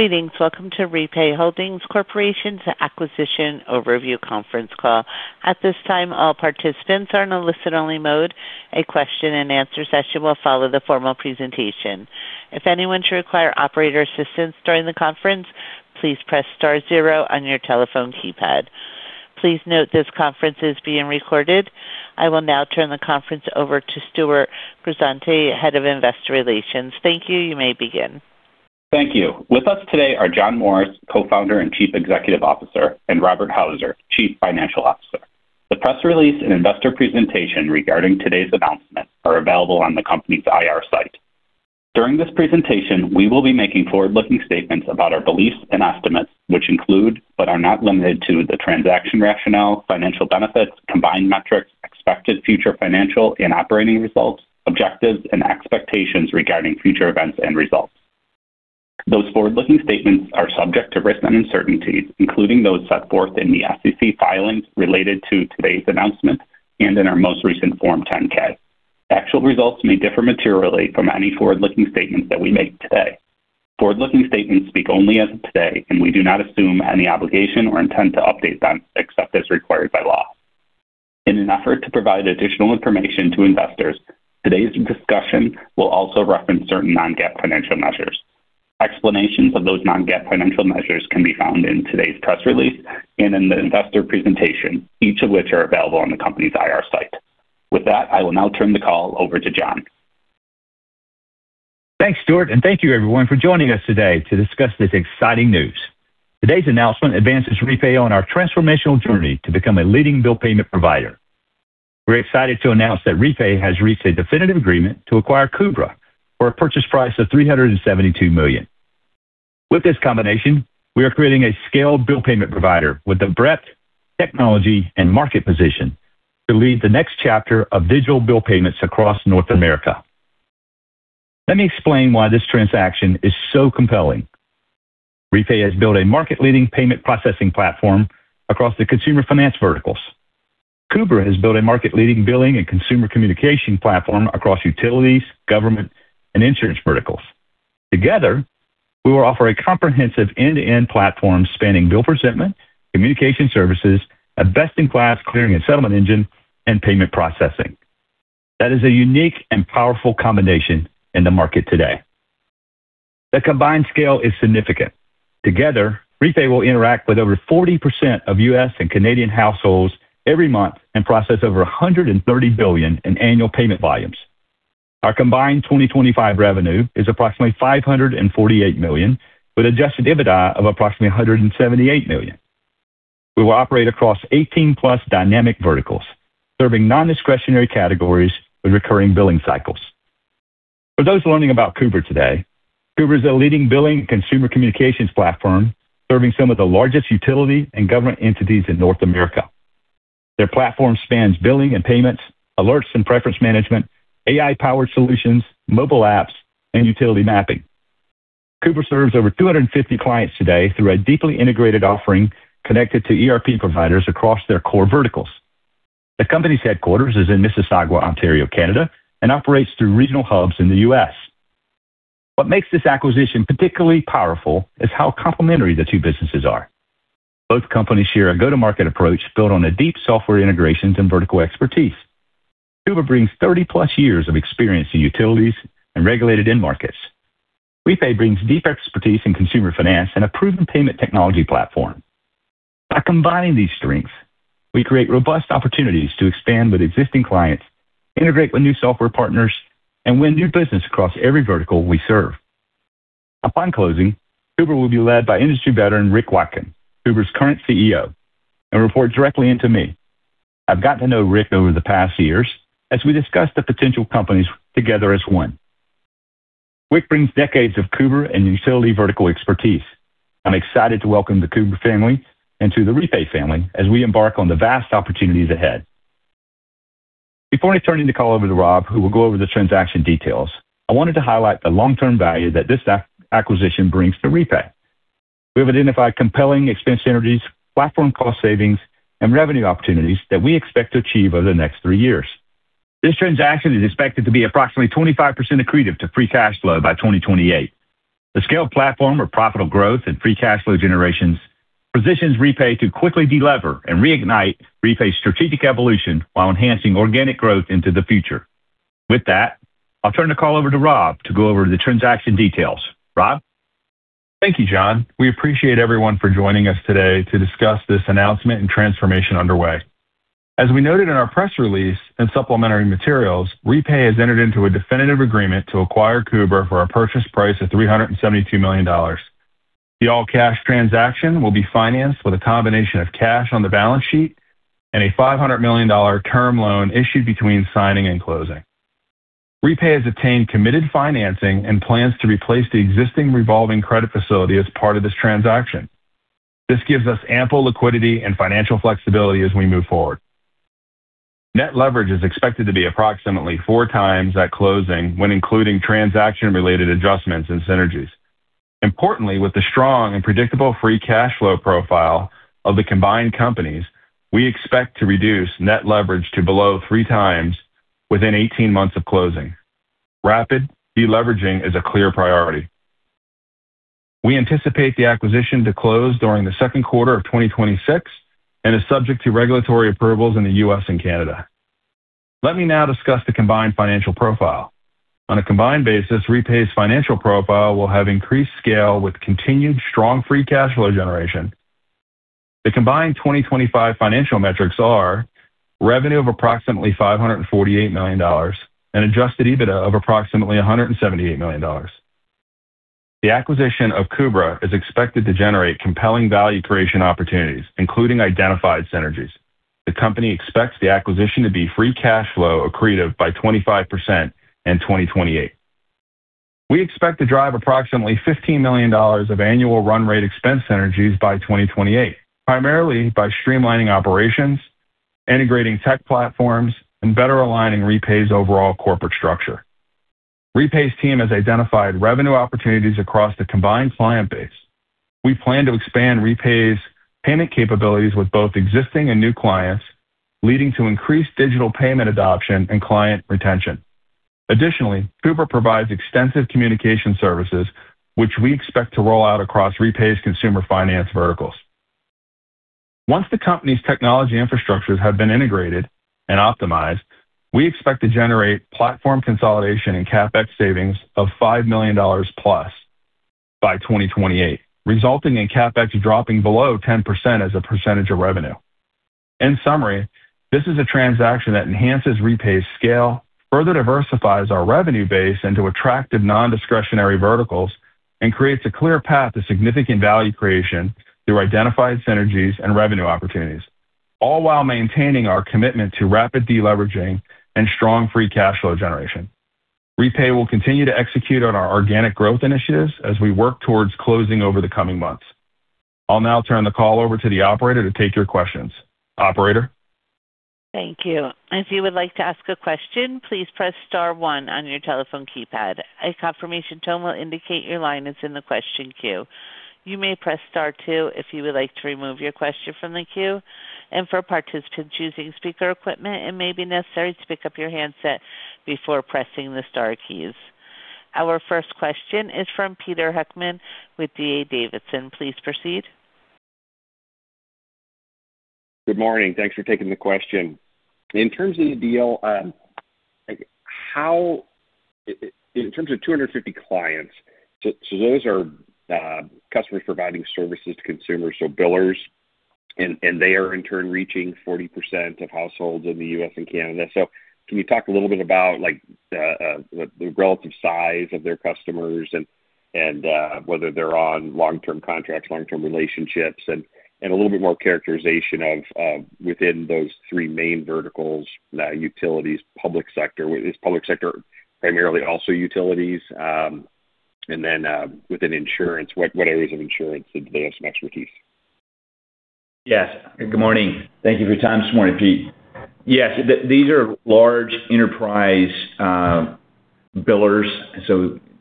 Greetings. Welcome to Repay Holdings Corporation's Acquisition Overview Conference Call. At this time, all participants are in a listen-only mode. A question-and-answer session will follow the formal presentation. If anyone should require operator assistance during the conference, please press star zero on your telephone keypad. Please note this conference is being recorded. I will now turn the conference over to Stewart Grisante, Head of Investor Relations. Thank you. You may begin. Thank you. With us today are John Morris, Co-founder and Chief Executive Officer, and Robert Houser, Chief Financial Officer. The press release and investor presentation regarding today's announcement are available on the company's IR site. During this presentation, we will be making forward-looking statements about our beliefs and estimates which include, but are not limited to, the transaction rationale, financial benefits, combined metrics, expected future financial and operating results, objectives, and expectations regarding future events and results. Those forward-looking statements are subject to risks and uncertainties, including those set forth in the SEC filings related to today's announcement and in our most recent Form 10-K. Actual results may differ materially from any forward-looking statements that we make today. Forward-looking statements speak only as of today, and we do not assume any obligation or intent to update them, except as required by law. In an effort to provide additional information to investors, today's discussion will also reference certain non-GAAP financial measures. Explanations of those non-GAAP financial measures can be found in today's press release and in the investor presentation, each of which are available on the company's IR site. With that, I will now turn the call over to John. Thanks, Stewart, and thank you everyone for joining us today to discuss this exciting news. Today's announcement advances Repay on our transformational journey to become a leading bill payment provider. We're excited to announce that Repay has reached a definitive agreement to acquire KUBRA for a purchase price of $372 million. With this combination, we are creating a scaled bill payment provider with the breadth, technology, and market position to lead the next chapter of digital bill payments across North America. Let me explain why this transaction is so compelling. Repay has built a market-leading payment processing platform across the consumer finance verticals. KUBRA has built a market-leading billing and consumer communication platform across utilities, government, and insurance verticals. Together, we will offer a comprehensive end-to-end platform spanning bill presentment, communication services, a best-in-class clearing and settlement engine, and payment processing. That is a unique and powerful combination in the market today. The combined scale is significant. Together, Repay will interact with over 40% of U.S. and Canadian households every month and process over $130 billion in annual payment volumes. Our combined 2025 revenue is approximately $548 million, with Adjusted EBITDA of approximately $178 million. We will operate across 18+ dynamic verticals, serving non-discretionary categories with recurring billing cycles. For those learning about KUBRA today, KUBRA is a leading billing consumer communications platform serving some of the largest utility and government entities in North America. Their platform spans billing and payments, alerts and preference management, AI-powered solutions, mobile apps, and utility mapping. KUBRA serves over 250 clients today through a deeply integrated offering connected to ERP providers across their core verticals. The company's headquarters is in Mississauga, Ontario, Canada, and operates through regional hubs in the U.S. What makes this acquisition particularly powerful is how complementary the two businesses are. Both companies share a go-to-market approach built on a deep software integrations and vertical expertise. KUBRA brings 30+ years of experience to utilities and regulated end markets. Repay brings deep expertise in consumer finance and a proven payment technology platform. By combining these strengths, we create robust opportunities to expand with existing clients, integrate with new software partners, and win new business across every vertical we serve. Upon closing, KUBRA will be led by industry veteran Rick Watkin, KUBRA's current CEO, and report directly into me. I've gotten to know Rick over the past years as we discussed the potential companies together as one. Rick brings decades of KUBRA and utility vertical expertise. I'm excited to welcome the KUBRA family into the Repay family as we embark on the vast opportunities ahead. Before I turn the call over to Rob, who will go over the transaction details, I wanted to highlight the long-term value that this acquisition brings to Repay. We have identified compelling expense synergies, platform cost savings, and revenue opportunities that we expect to achieve over the next three years. This transaction is expected to be approximately 25% accretive to free cash flow by 2028. The scaled platform of profitable growth and free cash flow generations positions Repay to quickly delever and reignite Repay's strategic evolution while enhancing organic growth into the future. With that, I'll turn the call over to Rob to go over the transaction details. Rob? Thank you, John. We appreciate everyone for joining us today to discuss this announcement and transformation underway. As we noted in our press release and supplementary materials, Repay has entered into a definitive agreement to acquire KUBRA for a purchase price of $372 million. The all-cash transaction will be financed with a combination of cash on the balance sheet and a $500 million term loan issued between signing and closing. Repay has obtained committed financing and plans to replace the existing revolving credit facility as part of this transaction. This gives us ample liquidity and financial flexibility as we move forward. Net leverage is expected to be approximately 4x at closing when including transaction-related adjustments and synergies. Importantly, with the strong and predictable free cash flow profile of the combined companies, we expect to reduce net leverage to below 3x within 18 months of closing. Rapid deleveraging is a clear priority. We anticipate the acquisition to close during the second quarter of 2026 and is subject to regulatory approvals in the U.S. and Canada. Let me now discuss the combined financial profile. On a combined basis, Repay's financial profile will have increased scale with continued strong free cash flow generation. The combined 2025 financial metrics are revenue of approximately $548 million and Adjusted EBITDA of approximately $178 million. The acquisition of KUBRA is expected to generate compelling value creation opportunities, including identified synergies. The company expects the acquisition to be free cash flow accretive by 25% in 2028. We expect to drive approximately $15 million of annual run rate expense synergies by 2028, primarily by streamlining operations, integrating tech platforms, and better aligning Repay's overall corporate structure. Repay's team has identified revenue opportunities across the combined client base. We plan to expand Repay's payment capabilities with both existing and new clients, leading to increased digital payment adoption and client retention. Additionally, KUBRA provides extensive communication services, which we expect to roll out across Repay's consumer finance verticals. Once the company's technology infrastructures have been integrated and optimized, we expect to generate platform consolidation and CapEx savings of $5 million plus by 2028, resulting in CapEx dropping below 10% as a percentage of revenue. In summary, this is a transaction that enhances Repay's scale, further diversifies our revenue base into attractive non-discretionary verticals, and creates a clear path to significant value creation through identified synergies and revenue opportunities, all while maintaining our commitment to rapid deleveraging and strong free cash flow generation. Repay will continue to execute on our organic growth initiatives as we work towards closing over the coming months. I'll now turn the call over to the operator to take your questions. Operator? Thank you. If you would like to ask a question, please press star one on your telephone keypad. A confirmation tone will indicate your line is in the question queue. You may press star two if you would like to remove your question from the queue. For participants choosing speaker equipment, it may be necessary to pick up your handset before pressing the star keys. Our first question is from Peter Heckmann with D.A. Davidson. Please proceed. Good morning. Thanks for taking the question. In terms of the deal, in terms of 250 clients, so those are customers providing services to consumers, so billers, and they are in turn reaching 40% of households in the U.S. and Canada. Can you talk a little bit about, like, the relative size of their customers and whether they're on long-term contracts, long-term relationships, and a little bit more characterization of within those three main verticals, utilities, public sector. Is public sector primarily also utilities? Within insurance, what areas of insurance do they have some expertise? Yes. Good morning. Thank you for your time this morning, Pete. Yes, these are large enterprise billers.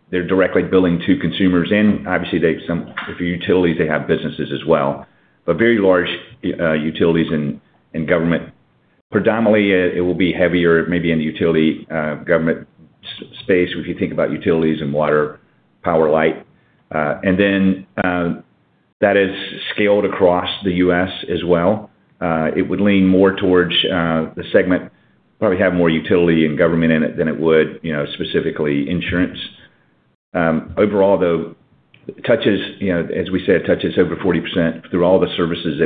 They're directly billing to consumers. Obviously, they have for utilities, they have businesses as well, but very large utilities and government. Predominantly, it will be heavier maybe in the utility government space, if you think about utilities and water, power, light. That is scaled across the U.S. as well. It would lean more towards the segment. Probably have more utility and government in it than it would, you know, specifically insurance. Overall, though, you know, as we say, it touches over 40% through all the services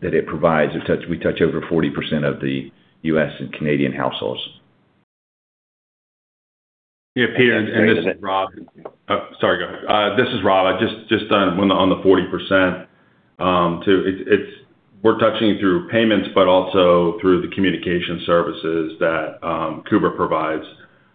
that it provides. We touch over 40% of the U.S. and Canadian households. Yeah, Peter, and this is Rob. Oh, sorry, go ahead. This is Rob. I just on the 40%, we're touching through payments but also through the communication services that KUBRA provides,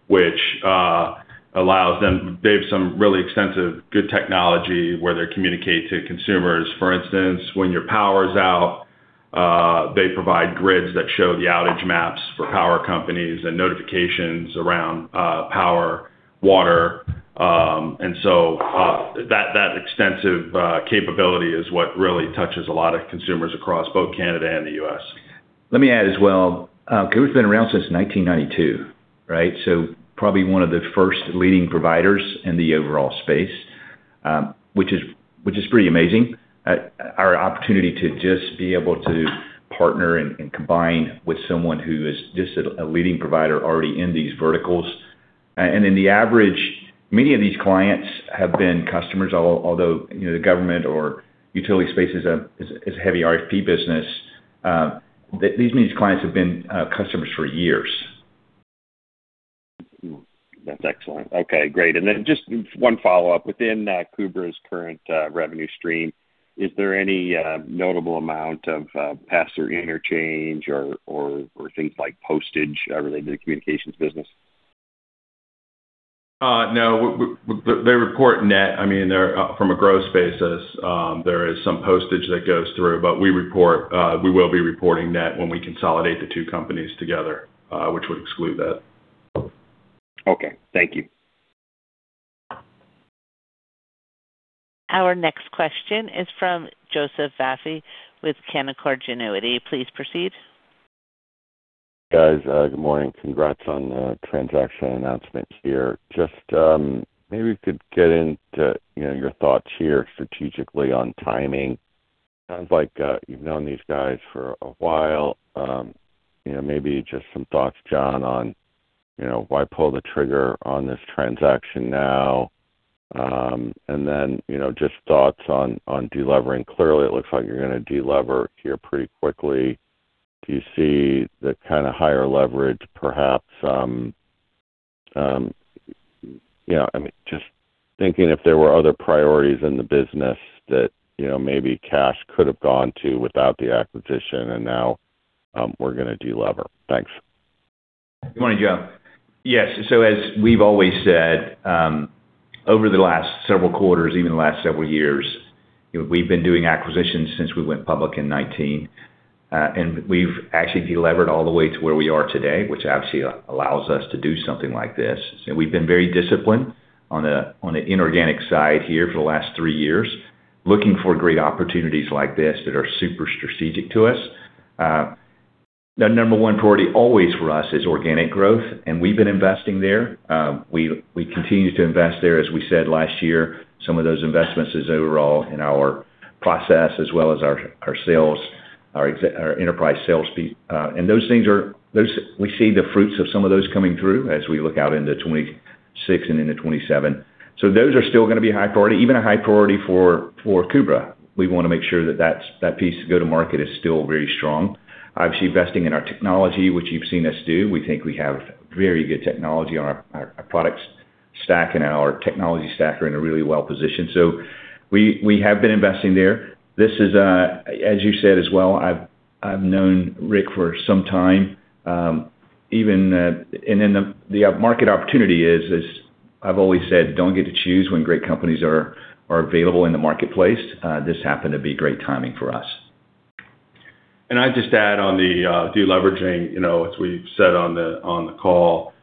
which allows them. They have some really extensive good technology where they communicate to consumers. For instance, when your power's out, they provide grids that show the outage maps for power companies and notifications around power, water. That extensive capability is what really touches a lot of consumers across both Canada and the U.S. Let me add as well, KUBRA's been around since 1992, right? Probably one of the first leading providers in the overall space, which is pretty amazing. Our opportunity to just be able to partner and combine with someone who is just a leading provider already in these verticals. On average, many of these clients have been customers, although you know the government or utility space is a heavy RFP business. These clients have been customers for years. That's excellent. Okay, great. Just one follow-up. Within KUBRA's current revenue stream, is there any notable amount of pass-through interchange or things like postage related to communications business? No. They report net. I mean, they're from a gross basis, there is some postage that goes through, but we will be reporting net when we consolidate the two companies together, which would exclude that. Okay. Thank you. Our next question is from Joseph Vafi with Canaccord Genuity. Please proceed. Guys, good morning. Congrats on the transaction announcement here. Just maybe we could get into, you know, your thoughts here strategically on timing. Sounds like you've known these guys for a while. You know, maybe just some thoughts, John, on, you know, why pull the trigger on this transaction now? And then, you know, just thoughts on delevering. Clearly, it looks like you're gonna delever here pretty quickly. Do you see the kind of higher leverage perhaps? You know, I mean, just thinking if there were other priorities in the business that, you know, maybe cash could have gone to without the acquisition, and now we're gonna delever. Thanks. Good morning, Joe. Yes. As we've always said, over the last several quarters, even the last several years, you know, we've been doing acquisitions since we went public in 2019. We've actually de-levered all the way to where we are today, which obviously allows us to do something like this. We've been very disciplined on the inorganic side here for the last three years, looking for great opportunities like this that are super strategic to us. The number one priority always for us is organic growth, and we've been investing there. We continue to invest there. As we said last year, some of those investments is overall in our process as well as our sales, our enterprise sales team. Those things are. We see the fruits of some of those coming through as we look out into 2026 and into 2027. Those are still gonna be high priority, even a high priority for KUBRA. We wanna make sure that that's that piece go-to-market is still very strong. Obviously, investing in our technology, which you've seen us do. We think we have very good technology on our products stack and our technology stack are in a really well position. We have been investing there. This is, as you said as well, I've known Rick for some time, even. The market opportunity is. I've always said, don't get to choose when great companies are available in the marketplace. This happened to be great timing for us. I'd just add on the deleveraging, you know, as we've said on the call,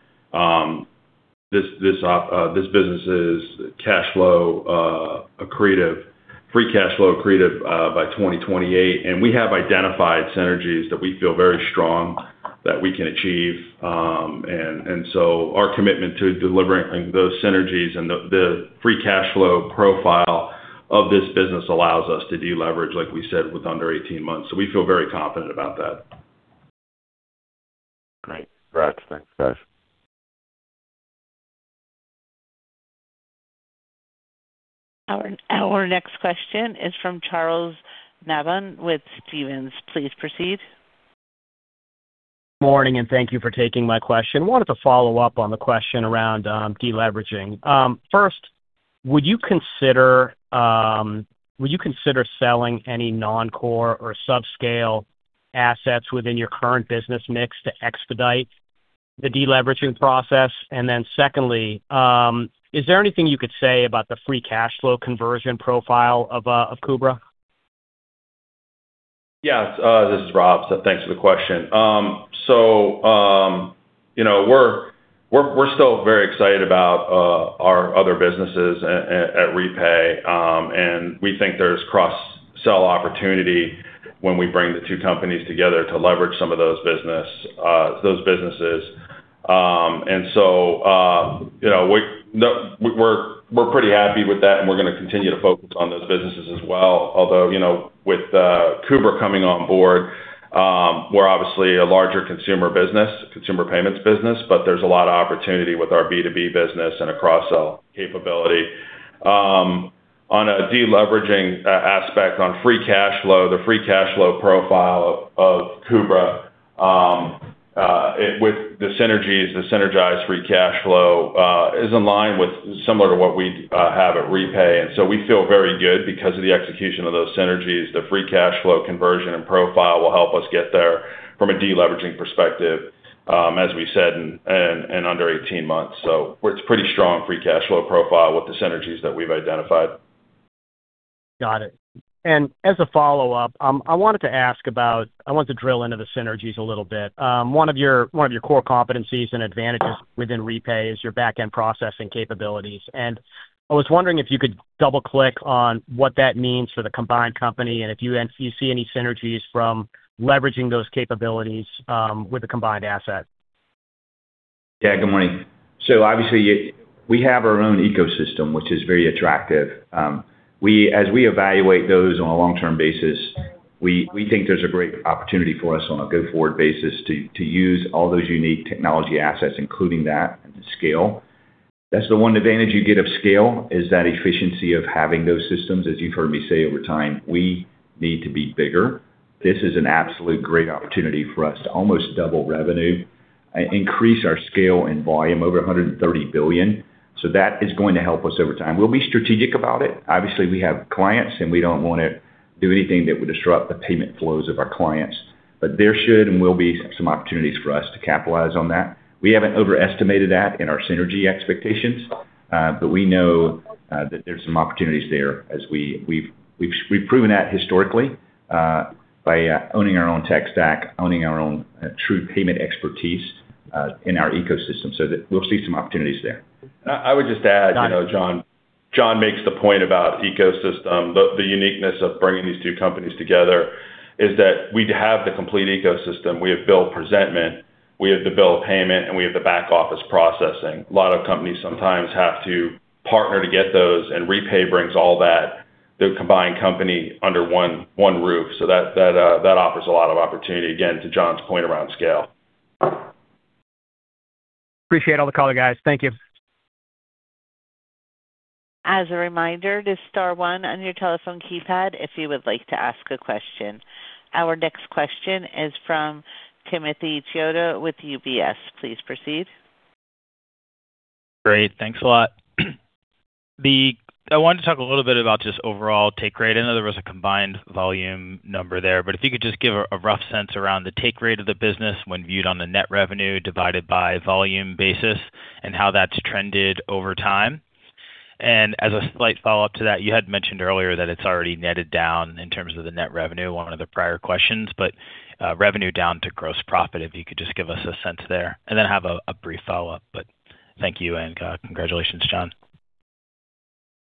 this business is cash flow accretive, free cash flow accretive, by 2028. We have identified synergies that we feel very strongly that we can achieve. Our commitment to delivering those synergies and the free cash flow profile of this business allows us to deleverage, like we said, with under 18 months. We feel very confident about that. Great. Congrats. Thanks, guys. Our next question is from Charles Nabhan with Stephens. Please proceed. Morning, thank you for taking my question. I wanted to follow up on the question around deleveraging. First, would you consider selling any non-core or subscale assets within your current business mix to expedite the deleveraging process? Secondly, is there anything you could say about the free cash flow conversion profile of KUBRA? Yes. This is Rob. Thanks for the question. You know, we're still very excited about our other businesses at Repay. We think there's cross-sell opportunity when we bring the two companies together to leverage some of those businesses. You know, no, we're pretty happy with that, and we're gonna continue to focus on those businesses as well. Although, you know, with KUBRA coming on board, we're obviously a larger consumer business, consumer payments business, but there's a lot of opportunity with our B2B business and a cross-sell capability. On a de-leveraging aspect on free cash flow, the free cash flow profile of KUBRA, with the synergies, the synergized free cash flow, is in line with similar to what we have at REPAY. We feel very good because of the execution of those synergies. The free cash flow conversion and profile will help us get there from a deleveraging perspective, as we said, in under 18 months. It's pretty strong free cash flow profile with the synergies that we've identified. Got it. As a follow-up, I want to drill into the synergies a little bit. One of your core competencies and advantages within REPAY is your back-end processing capabilities. I was wondering if you could double-click on what that means for the combined company and if you see any synergies from leveraging those capabilities with the combined asset. Yeah. Good morning. Obviously we have our own ecosystem, which is very attractive. As we evaluate those on a long-term basis, we think there's a great opportunity for us on a go-forward basis to use all those unique technology assets, including that scale. That's the one advantage you get of scale, is that efficiency of having those systems. As you've heard me say over time, we need to be bigger. This is an absolute great opportunity for us to almost double revenue, increase our scale and volume over 130 billion. That is going to help us over time. We'll be strategic about it. Obviously, we have clients, and we don't wanna do anything that would disrupt the payment flows of our clients. But there should and will be some opportunities for us to capitalize on that. We haven't overestimated that in our synergy expectations, but we know that there's some opportunities there as we've proven that historically. By owning our own tech stack, owning our own true payment expertise in our ecosystem, so that we'll see some opportunities there. I would just add, you know, John. John makes the point about ecosystem. The uniqueness of bringing these two companies together is that we'd have the complete ecosystem. We have bill presentment, we have the bill payment, and we have the back-office processing. A lot of companies sometimes have to partner to get those, and Repay brings all that, the combined company under one roof. That offers a lot of opportunity, again, to John's point around scale. Appreciate all the color, guys. Thank you. As a reminder to star one on your telephone keypad if you would like to ask a question. Our next question is from Timothy Chiodo with UBS. Please proceed. Great. Thanks a lot. I wanted to talk a little bit about just overall take rate. I know there was a combined volume number there, but if you could just give a rough sense around the take rate of the business when viewed on the net revenue divided by volume basis and how that's trended over time. As a slight follow-up to that, you had mentioned earlier that it's already netted down in terms of the net revenue on one of the prior questions, but, revenue down to gross profit, if you could just give us a sense there. I have a brief follow-up, but thank you and congratulations, John.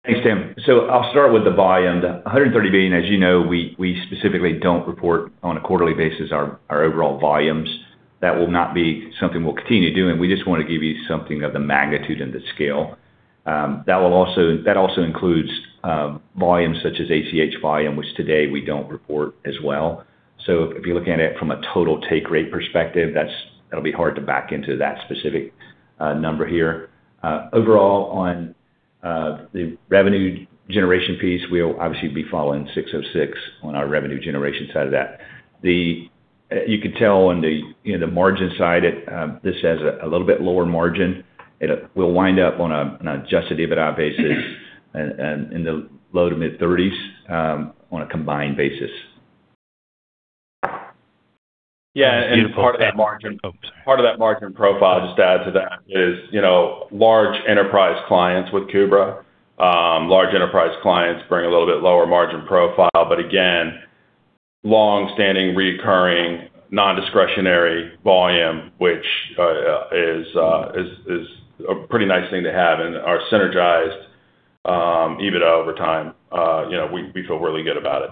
Thanks, Tim. I'll start with the volume. The 130 billion, as you know, we specifically don't report on a quarterly basis our overall volumes. That will not be something we'll continue doing. We just wanna give you something of the magnitude and the scale. That also includes volumes such as ACH volume, which today we don't report as well. If you're looking at it from a total take rate perspective, it'll be hard to back into that specific number here. Overall, the revenue generation piece, we'll obviously be following 606 on our revenue generation side of that. You could tell on the, you know, the margin side, this has a little bit lower margin. We'll wind up on an Adjusted EBITDA basis and in the low-to-mid 30s% on a combined basis. Yeah. Part of that margin- Oh, sorry. Part of that margin profile, just to add to that is, you know, large enterprise clients with KUBRA. Large enterprise clients bring a little bit lower margin profile, but again, long-standing, recurring, non-discretionary volume, which is a pretty nice thing to have and are synergized EBITDA over time. You know, we feel really good about it.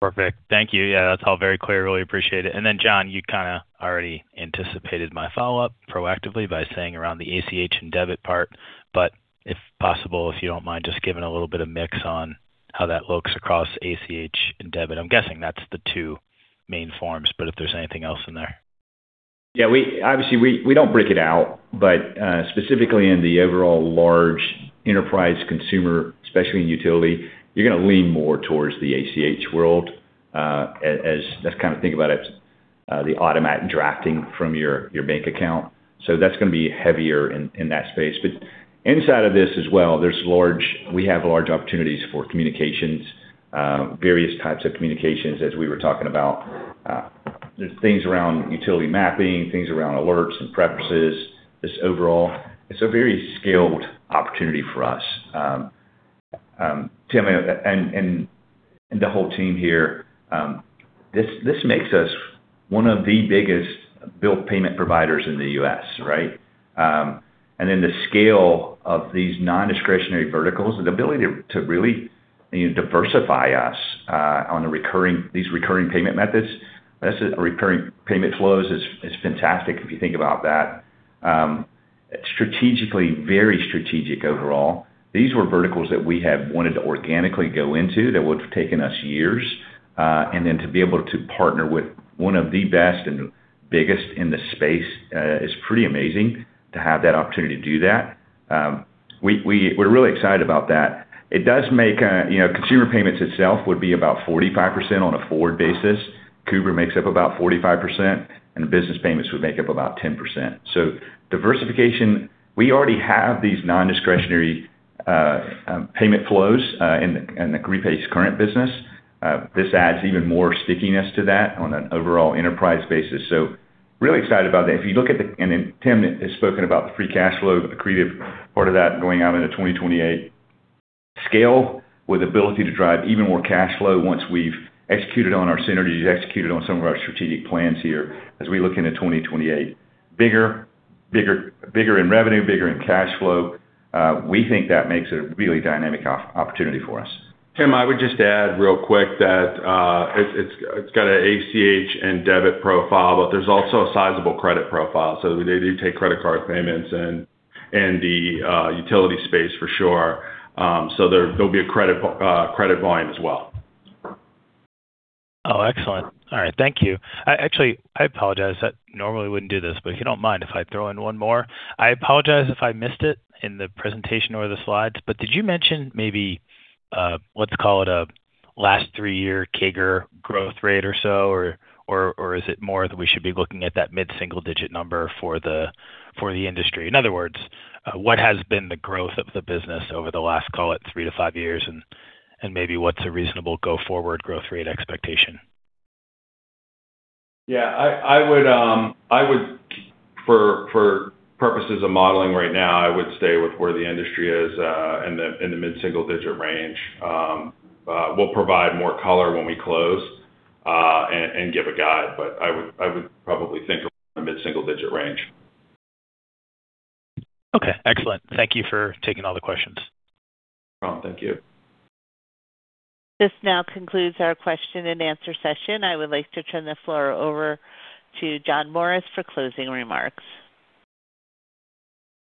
Perfect. Thank you. Yeah, that's all very clear. Really appreciate it. John, you kinda already anticipated my follow-up proactively by saying around the ACH and debit part, but if possible, if you don't mind just giving a little bit of mix on how that looks across ACH and debit. I'm guessing that's the two main forms, but if there's anything else in there. Yeah, obviously, we don't break it out, but specifically in the overall large enterprise consumer, especially in utility, you're gonna lean more towards the ACH world, as just kind of think about it, the automatic drafting from your bank account. That's gonna be heavier in that space. Inside of this as well, we have large opportunities for communications, various types of communications as we were talking about. There's things around utility mapping, things around alerts and preferences. Just overall, it's a very scaled opportunity for us. Tim and the whole team here, this makes us one of the biggest bill payment providers in the U.S., right? The scale of these non-discretionary verticals, the ability to really diversify us on the recurring payment methods, that's a recurring payment flows is fantastic if you think about that. Strategically, very strategic overall. These were verticals that we had wanted to organically go into that would have taken us years. To be able to partner with one of the best and biggest in the space is pretty amazing to have that opportunity to do that. We're really excited about that. It does make, you know, consumer payments itself would be about 45% on a forward basis. KUBRA makes up about 45%, and the business payments would make up about 10%. Diversification, we already have these non-discretionary payment flows in Repay's current business. This adds even more stickiness to that on an overall enterprise basis. Really excited about that. If you look at and then Tim has spoken about the free cash flow, the accretive part of that going out into 2028. Scale with ability to drive even more cash flow once we've executed on our synergies, executed on some of our strategic plans here as we look into 2028. Bigger in revenue, bigger in cash flow. We think that makes a really dynamic opportunity for us. Tim, I would just add real quick that it's got an ACH and debit profile, but there's also a sizable credit profile, so they do take credit card payments and the utility space for sure. There'll be a credit volume as well. Oh, excellent. All right. Thank you. Actually, I apologize. I normally wouldn't do this, but if you don't mind if I throw in one more. I apologize if I missed it in the presentation or the slides, but did you mention maybe what to call it, a last three-year CAGR growth rate or so, or is it more that we should be looking at that mid-single digit number for the industry? In other words, what has been the growth of the business over the last, call it, three to five years and maybe what's a reasonable go forward growth rate expectation? Yeah. I would, for purposes of modeling right now, I would stay with where the industry is in the mid-single digit range. We'll provide more color when we close and give a guide, but I would probably think of a mid-single digit range. Okay, excellent. Thank you for taking all the questions. No problem. Thank you. This now concludes our question and answer session. I would like to turn the floor over to John Morris for closing remarks.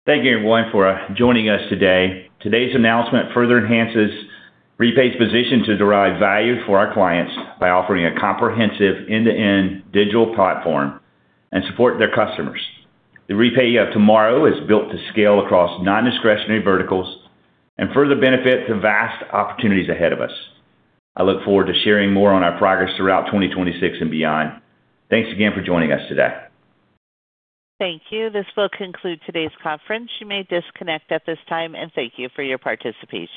Thank you, everyone, for joining us today. Today's announcement further enhances REPAY's position to derive value for our clients by offering a comprehensive end-to-end digital platform and support their customers. The Repay of tomorrow is built to scale across non-discretionary verticals and further benefit the vast opportunities ahead of us. I look forward to sharing more on our progress throughout 2026 and beyond. Thanks again for joining us today. Thank you. This will conclude today's conference. You may disconnect at this time, and thank you for your participation.